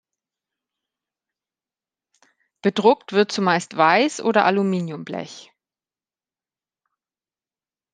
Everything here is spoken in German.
Bedruckt wird zumeist Weiß- oder Aluminiumblech.